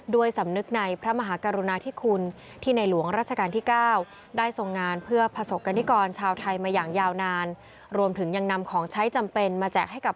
ด้วยสำนึกในพระมหากรุณาที่คุณที่ในหลวงราชการที่๙